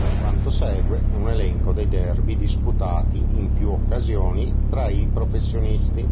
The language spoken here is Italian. Quanto segue è un elenco dei derby disputati in più occasioni tra i professionisti.